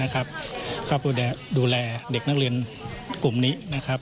เข้าไปดูแลเด็กนักเรียนกลุ่มนี้